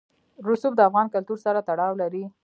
رسوب د افغان کلتور سره تړاو لري.